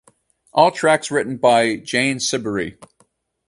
All tracks written by Jane Siberry.